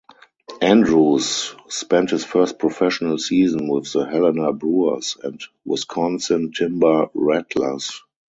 Andrews spent his first professional season with the Helena Brewers and Wisconsin Timber Rattlers.